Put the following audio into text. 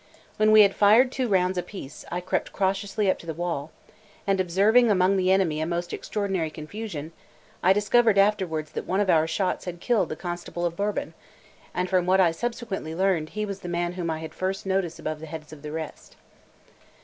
When we had fired two rounds apiece, I crept cautiously up to the wall, and observing among the enemy a most extraordinary confusion, I discovered afterwards that one of our shots had killed the Constable of Bourbon; and from what I subsequently learned, he was the man whom I had first noticed above the heads of the rest.